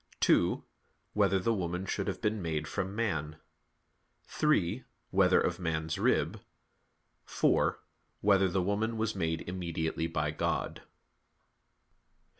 (2) Whether the woman should have been made from man? (3) Whether of man's rib? (4) Whether the woman was made immediately by God?